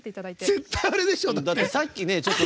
絶対あれでしょ！